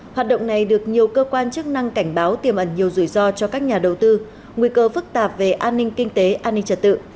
hoạt động này được nhiều cơ quan chức năng cảnh báo tiềm ẩn nhiều rủi ro cho các nhà đầu tư nguy cơ phức tạp về an ninh kinh tế an ninh trật tự